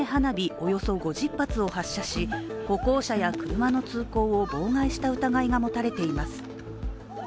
およそ５０発を発射し、歩行者や車の通行を妨害した疑いが持たれています。